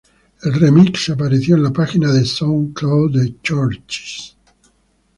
El remix apareció en la página de Soundcloud de Chvrches.